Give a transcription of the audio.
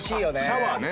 シャワーね。